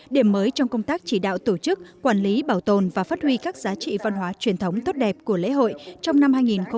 điểm mới trong công tác chỉ đạo tổ chức quản lý bảo tồn và phát huy các giá trị văn hóa truyền thống tốt đẹp của lễ hội trong năm hai nghìn hai mươi